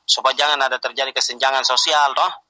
supaya jangan ada terjadi kesenjangan sosial